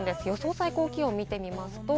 最高気温を見てみます。